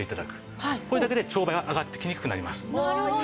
これだけでチョウバエは上がってきにくくなります。